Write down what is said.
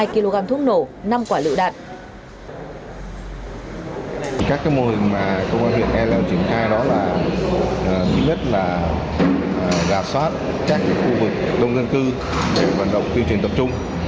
hai kg thuốc nổ năm quả lựu đạn